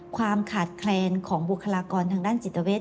ความขาดแคลนของบุคลากรทางด้านจิตเวท